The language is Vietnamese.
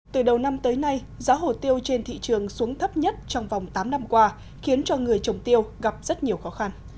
từ đầu năm tới nay giá hồ tiêu trên thị trường xuống thấp nhất trong vòng tám năm qua khiến cho người trồng tiêu gặp rất nhiều khó khăn